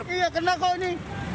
iya kena kok ini